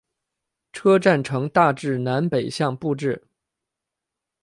车站呈大致南北向布置。